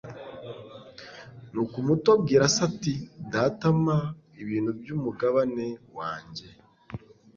nuko umuto abwira se ati “data mpa ibintu by'umugabane wanjye”